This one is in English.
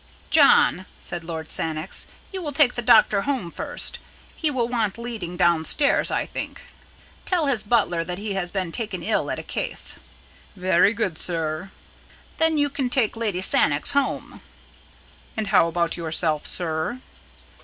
"John," said Lord Sannox, "you will take the doctor home first. He will want leading downstairs, I think. Tell his butler that he has been taken ill at a case." "Very good, sir." "Then you can take Lady Sannox home." "And how about yourself, sir?"